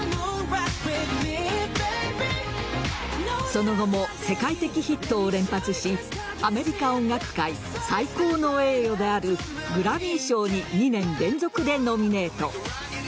その後も世界的ヒットを連発しアメリカ音楽界最高の栄誉であるグラミー賞に２年連続でノミネート。